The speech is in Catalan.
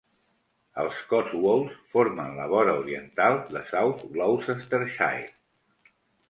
Els Cotswolds formen la vora oriental de South Gloucestershire.